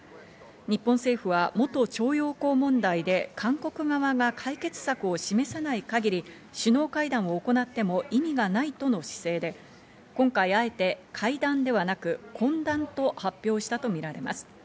日本政府は元徴用工問題で韓国側が解決策を示さない限り、首脳会談を行っても意味がないとの姿勢で、今回あえて会談ではなく懇談と発表したとみられます。